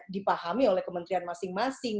dipahami oleh kementerian masing masing